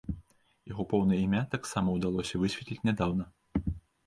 Яго поўнае імя таксама ўдалося высветліць нядаўна.